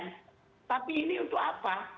tapi ini untuk apa